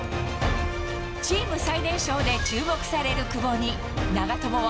チーム最年少で注目される久保に、長友は。